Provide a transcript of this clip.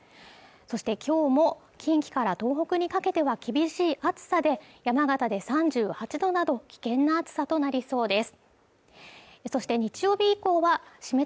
そしてきょうも近畿から東北にかけては厳しい暑さで山形で３８度など危険な暑さとなりそうです